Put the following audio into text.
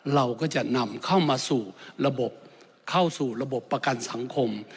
เราก็จะนำเข้ามาสู่ระบบเข้าสู่ระบบประกันสังคม